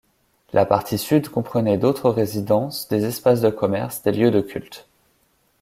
La partie sud comprenait d'autres résidences, des espaces de commerce, des lieux de culte.